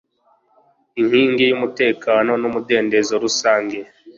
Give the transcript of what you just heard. inkingi y'umutekano n'umudendezo rusange